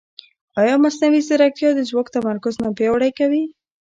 ایا مصنوعي ځیرکتیا د ځواک تمرکز نه پیاوړی کوي؟